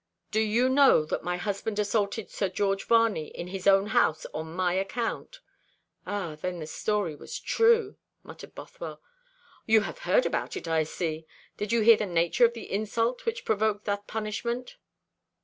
Do you know that my husband assaulted Sir George Varney in his own house on my account?" "Ah, then the story was true," muttered Bothwell. "You have heard about it, I see. Did you hear the nature of the insult which provoked that punishment?"